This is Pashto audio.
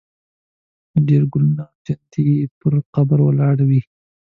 نه ډېر ګلونه او جنډې یې پر قبر ولاړې وې.